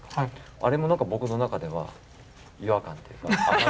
あれも何か僕の中では違和感というか。